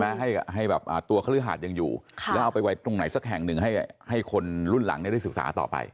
ให้ให้แบบตัวคฤหาดยังอยู่แล้วเอาไปไว้ตรงไหนสักแห่งหนึ่งให้คนรุ่นหลังได้ศึกษาต่อไป